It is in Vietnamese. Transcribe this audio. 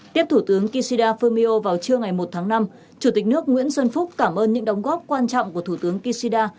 tiếp thủ tướng kishida fumio vào trưa ngày một tháng năm chủ tịch nước nguyễn xuân phúc cảm ơn những đóng góp quan trọng của thủ tướng kishida